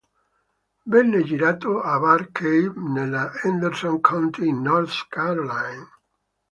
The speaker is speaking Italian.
Venne girato a Bat Cave, nella Henderson County in North Carolina.